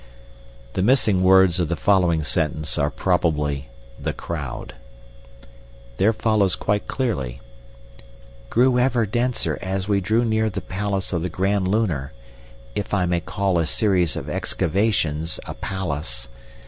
The missing words of the following sentence are probably "the crowd." There follows quite clearly: "grew ever denser as we drew near the palace of the Grand Lunar—if I may call a series of excavations a palace.